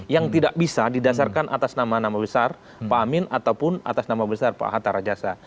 yang tidak bisa didasarkan atas nama nama besar pak amin ataupun atas nama besar pak hatta rajasa